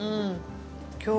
今日。